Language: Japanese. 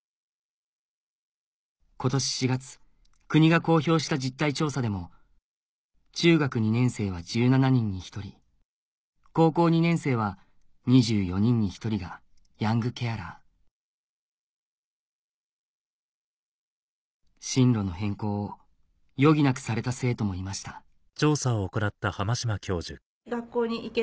今年４月国が公表した実態調査でも中学２年生は１７人に１人高校２年生は２４人に１人がヤングケアラー進路の変更を余儀なくされた生徒もいましたその後の。